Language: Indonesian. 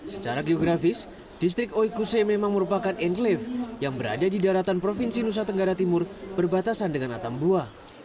secara geografis distrik oikuse memang merupakan enlyf yang berada di daratan provinsi nusa tenggara timur berbatasan dengan atambua